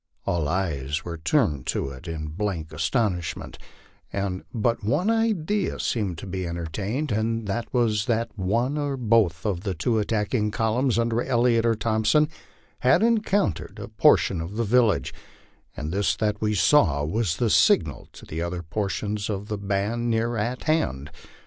All eyes were turned to it in blank astonishment, and but one idea seemed to be entertained, and that was that one or both of the two attacking columns under Elliot or Thompson had encountered a portion of the village, and this that we saw was the signal to other portions of the band near at hand.